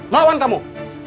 bawa dia ke bawah